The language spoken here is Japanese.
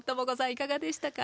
いかがでしたか？